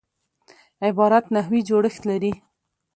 عبارت نحوي جوړښت لري.